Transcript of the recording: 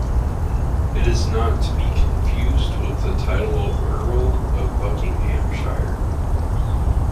It is not to be confused with the title of Earl of Buckinghamshire.